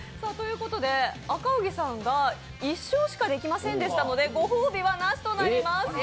赤荻さんが１勝しかできませんでしたので、ご褒美はなしとなります。